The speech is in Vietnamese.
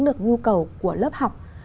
được nhu cầu của lớp học